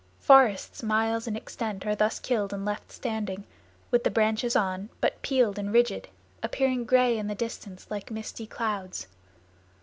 Forests miles in extent are thus killed and left standing, with the branches on, but peeled and rigid, appearing gray in the distance like misty clouds.